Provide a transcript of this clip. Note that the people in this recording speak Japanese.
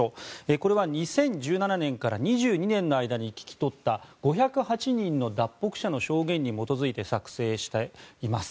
これは２０１７年から２２年の間に聞き取った５０８人の脱北者の証言に基づいて作成しています。